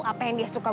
apa yang dia suka